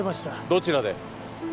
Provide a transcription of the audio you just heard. どちらで？